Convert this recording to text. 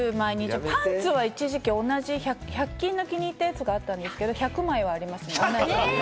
パンツは１００均の気に入ったやつが一時期あったんですけれども、１００枚はありましたね。